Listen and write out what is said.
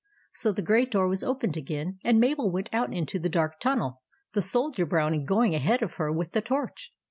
So the great door was opened again, and Mabel went out into the dark tunnel, the Soldier Brownie going ahead of her with the torch.